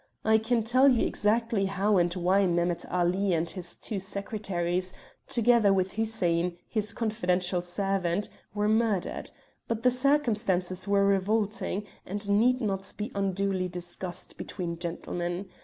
I can tell you exactly how and why Mehemet Ali and his two secretaries, together with Hussein, his confidential servant, were murdered. But the circumstances were revolting, and need not be unduly discussed between gentlemen.